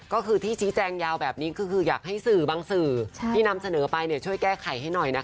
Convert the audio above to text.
ก็คือที่ชี้แจงยาวแบบนี้ก็คืออยากให้สื่อบางสื่อที่นำเสนอไปช่วยแก้ไขให้หน่อยนะคะ